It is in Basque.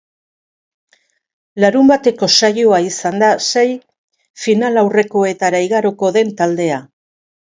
Larunbateko saioa izan da sei finalaurrekoetara igaroko den taldea.